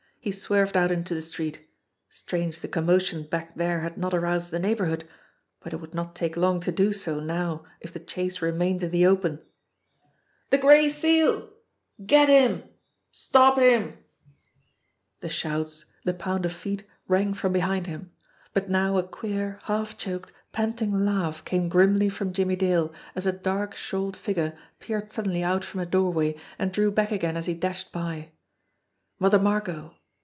He swerved out into the street. Strange the commotion back there had not aroused the neighbourhood ! But it would not take long to do so now if the chase remained in the open ! "The Gray Seal! Get him! Stop him!" 98 JIMMIE DALE AND THE PHANTOM CLUE The shouts, the pound of feet rang from behind him. But now a queer, half choked, panting laugh came grimly from Jimmie Dale as a dark shawled figure peered suddenly out from a doorway and drew back again as he dashed by. Mother Margot